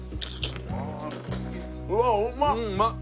うわっうまっ！